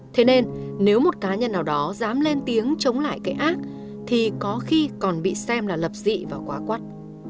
thế nên nếu một cá nhân nào đó dám lên tiếng chống lại cái ác thì có khi còn bị xem là lập dị và quá quất